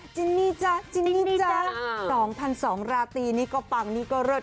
จินนี่จ๊ะจินนี่จ๊ะ๒๒๐๐ราตรีนี่ก็ปังนี่ก็เลิศ